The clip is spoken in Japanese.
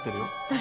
誰？